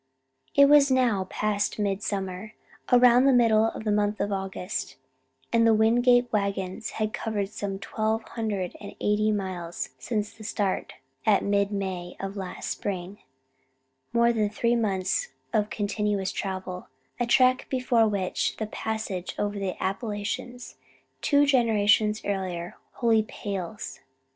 It was now past midsummer, around the middle of the month of August, and the Wingate wagons had covered some twelve hundred and eighty miles since the start at mid May of the last spring more than three months of continuous travel; a trek before which the passage over the Appalachians, two generations earlier, wholly pales.